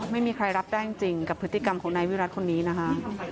ไม่มีใครรับได้จริงกับพฤติกรรมของนายวิรัติคนนี้นะคะ